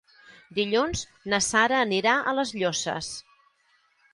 Dilluns na Sara anirà a les Llosses.